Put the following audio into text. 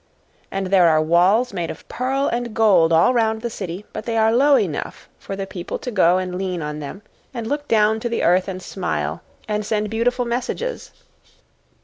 And there are walls made of pearl and gold all round the city, but they are low enough for the people to go and lean on them, and look down onto the earth and smile, and send beautiful messages."